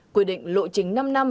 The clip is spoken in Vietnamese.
quy định lộ chính năm năm